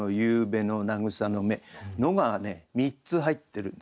「の」がね３つ入ってるんですよね。